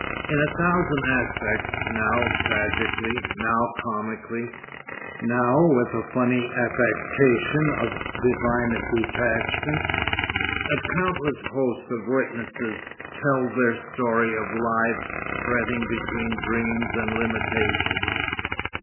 In a thousand aspects, now tragically, now comically, now with a funny affectation of divine detachment, a countless host of witnesses tell their story of lives fretting between dreams and limitations.